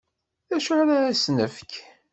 D acu ara asen-nefk?